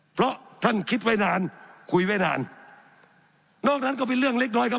เพราะท่านคิดไว้นานคุยไว้นานนอกนั้นก็เป็นเรื่องเล็กน้อยครับ